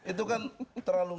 itu kan terlalu